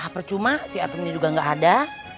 percuma si atem ini juga gak ada